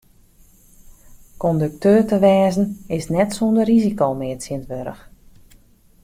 Kondukteur te wêze is net sûnder risiko mear tsjinstwurdich.